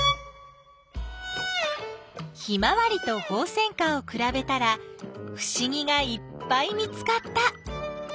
ヒマワリとホウセンカをくらべたらふしぎがいっぱい見つかった。